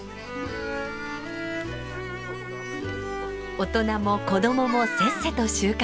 大人も子供もせっせと収穫。